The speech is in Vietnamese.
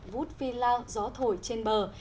vút phi lao gió thổi trên bờ